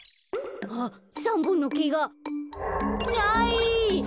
あっ３ぼんのけがない！